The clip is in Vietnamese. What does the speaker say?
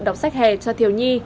đọc sách hè cho thiếu nhi